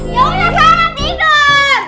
yaudah sana tidur